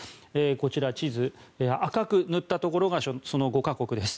こちら、地図赤く塗ったところがその５か国です。